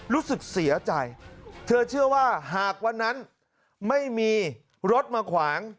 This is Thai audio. รู้สึกเสียใจเธอเชื่อว่าหากวันนั้นไม่มีรถมาขวาง